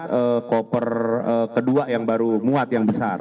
dan koper kedua yang baru muat yang besar